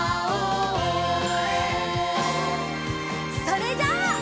それじゃあ。